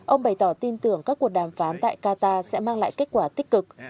ông bày tỏ tin tưởng các cuộc đàm phán tại qatar sẽ mang lại kết quả tích cực